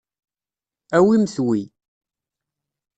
Awimt wi.